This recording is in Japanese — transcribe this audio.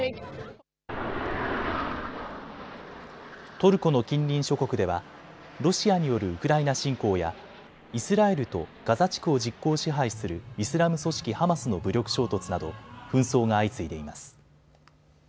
トルコの近隣諸国ではロシアによるウクライナ侵攻やイスラエルとガザ地区を実効支配するイスラム組織ハマスの武力衝突など紛争が相次いでいます。